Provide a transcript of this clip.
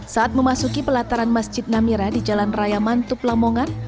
saat memasuki pelataran masjid namira di jalan raya mantub lamongan